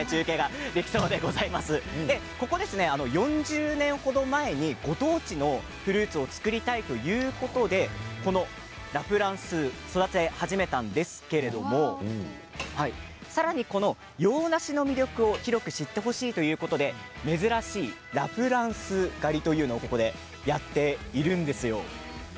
ここは４０年程前ご当地のフルーツを作りたいということでラ・フランスを育て始めたんですけれどさらに洋ナシの魅力を広く知ってほしいということで珍しいラ・フランス狩りをやっているんです。